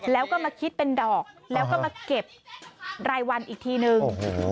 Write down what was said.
แล้วก็มาคิดเป็นดอกแล้วก็มาเก็บรายวันอีกทีนึง